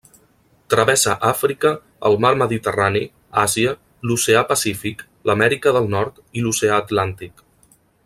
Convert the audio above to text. Travessa Àfrica, el Mar Mediterrani, Àsia, l’Oceà Pacífic, l'Amèrica del Nord i l'oceà Atlàntic.